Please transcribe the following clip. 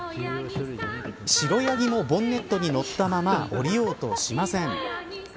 白ヤギもボンネットに乗ったまま降りようとしません。